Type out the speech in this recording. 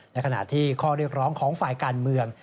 ในขณะที่ข้อเรียกร้องของฝ่ายการเมือง